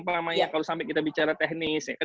kalau sampai kita bicara teknis